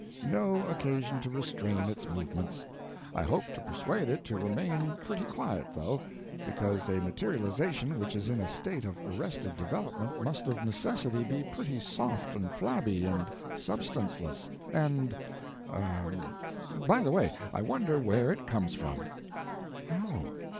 No occasion to restrain its movements. I hope to persuade it to remain pretty quiet, though, because a materialization which is in a state of arrested development must of necessity be pretty soft and flabby and substanceless, and—er—by the way, I wonder where It comes from?" "How?